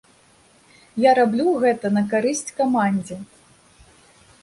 Я раблю гэта на карысць камандзе.